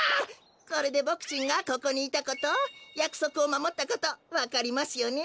これでボクちんがここにいたことやくそくをまもったことわかりますよね。